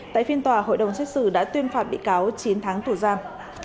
tại phiên tòa hội đồng xét xử đã tuyên phạt bị cáo chín tháng tù giam